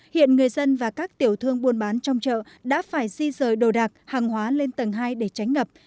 hiện người dân và các tiểu thương buôn bán trong chợ đã phải di rời đồ đạc hàng hóa lên tầng hai để tránh ngập